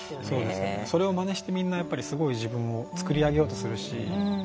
それをまねしてみんなやっぱりすごい自分を作り上げようとするし。